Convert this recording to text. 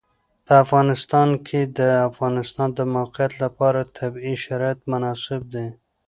په افغانستان کې د د افغانستان د موقعیت لپاره طبیعي شرایط مناسب دي.